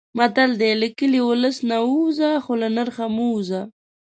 متل دی: له کلي، اولس نه ووځه خو له نرخه مه وځه.